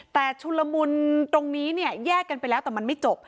แต่ชุนละมุนตรงนี้เนี่ยแยกกันไปแล้วแต่มันไม่จบ